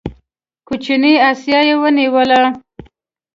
کوچنۍ اسیا یې ونیوله.